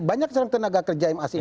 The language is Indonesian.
banyak tenaga asing yang masuk